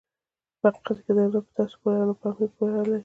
په حقیقت کې دا نه په تاسو او نه په امیر پورې اړه لري.